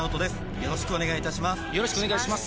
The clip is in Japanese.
よろしくお願いします